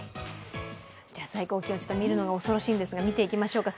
最高気温、見るのが恐ろしいんですが、見ていきましょうか。